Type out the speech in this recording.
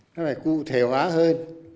nó phải cụ thể hóa hơn